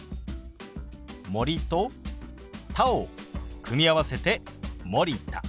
「森」と「田」を組み合わせて「森田」。